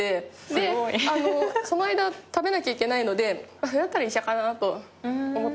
でその間食べなきゃいけないのでそれだったら医者かなと思って。